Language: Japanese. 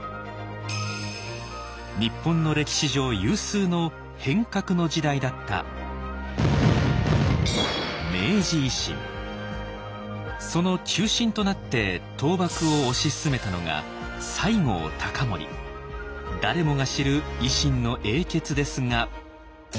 日本の歴史上有数の変革の時代だったその中心となって倒幕を推し進めたのが誰もが知る維新の英傑ですが。